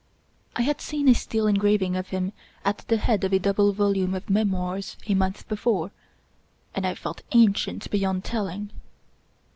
I had seen a steel en graving of him at the head of a double volume of Memoirs a month before, and I felt ancient beyond telling.